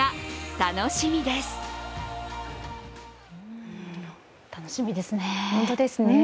楽しみですね。